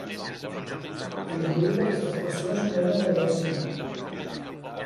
La majoria d'aquestes persones no eren de Grècia.